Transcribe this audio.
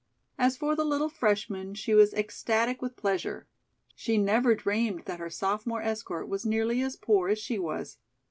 As for the little freshman, she was ecstatic with pleasure. She never dreamed that her sophomore escort was nearly as poor as she was.